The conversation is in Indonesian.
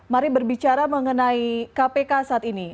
mari berbicara mengenai kpk saat ini